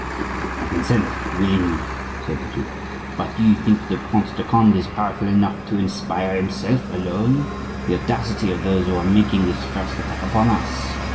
"I consent, willingly," said the duke; "but do you think the Prince de Conde is powerful enough to inspire, himself alone, the audacity of those who are making this first attack upon us?